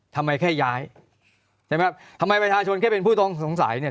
ทำไมแค่ย้ายใช่ไหมทำไมประชาชนแค่เป็นผู้ต้องสงสัยเนี่ย